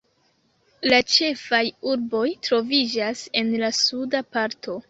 La ĉefaj urboj troviĝas en la suda parto.